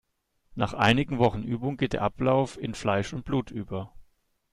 Nach einigen Wochen Übung geht der Ablauf in Fleisch und Blut über.